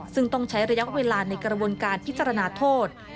ซึ่งต้องใช้ระยะเวลาในกระบวนการพิจารณาโทษ